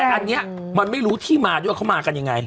แต่อันนี้มันไม่รู้ที่มาด้วยเขามากันยังไง